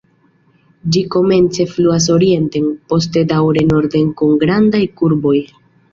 Ĝi komence fluas orienten, poste daŭre norden kun grandaj kurboj.